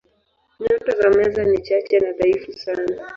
Nyota za Meza ni chache na dhaifu sana.